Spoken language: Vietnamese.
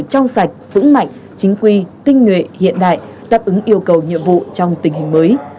trong sạch vững mạnh chính quy tinh nguyện hiện đại đáp ứng yêu cầu nhiệm vụ trong tình hình mới